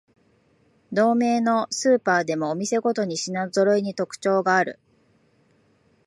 同名のスーパーでもお店ごとに品ぞろえに特徴がある